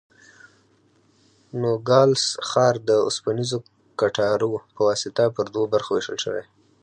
نوګالس ښار د اوسپنیزو کټارو په واسطه پر دوو برخو وېشل شوی.